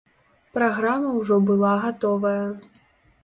Праграма ўжо была гатовая.